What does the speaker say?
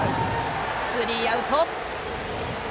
スリーアウト。